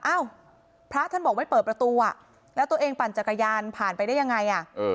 อ้าวพระท่านบอกไม่เปิดประตูอ่ะแล้วตัวเองปั่นจักรยานผ่านไปได้ยังไงอ่ะ